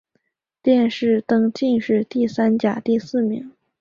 殿试登进士第三甲第四名。